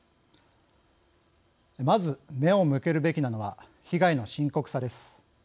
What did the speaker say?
まず、目を向けるべきなのは被害の深刻さです。